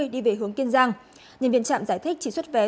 đi về hướng kiên giang nhân viên trạm giải thích chỉ xuất vé